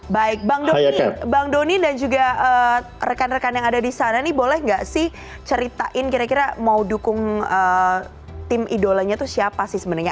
baik bang doni dan juga rekan rekan yang ada di sana nih boleh nggak sih ceritain kira kira mau dukung tim idolanya itu siapa sih sebenarnya